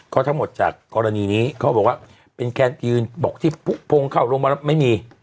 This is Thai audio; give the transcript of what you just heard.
ก็ทั้งหมดจากกรณีนี้เขาบอกว่าเป็นแคนยืนบอกที่พงเข้าลงมาแล้วไม่มี